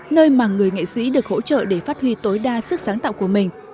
nơi mà người nghệ sĩ được hỗ trợ để phát huy tối đa sức sáng tạo của mình